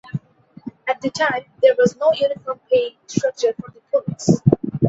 At the time, there was no uniform pay structure for the police.